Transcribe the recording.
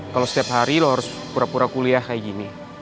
kalau setiap hari lo harus pura pura kuliah kayak gini